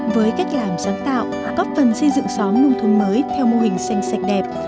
với cách làm sáng tạo góp phần xây dựng xóm nông thôn mới theo mô hình xanh sạch đẹp